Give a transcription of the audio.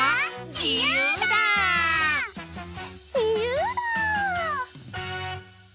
じゆうだ！